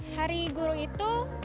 hari guru itu